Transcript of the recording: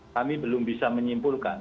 kami belum bisa menyimpulkan